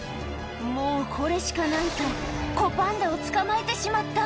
もうこれしかないと、子パンダを捕まえてしまった。